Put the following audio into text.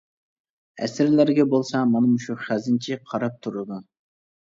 ئەسىرلەرگە بولسا مانا مۇشۇ خەزىنىچى قاراپ تۇرىدۇ.